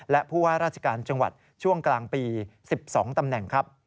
และผู้ว่าราชการจังหวัดช่วงกลางปี๑๒ตำแหน่งครับ